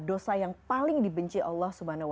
dosa yang paling dibenci allah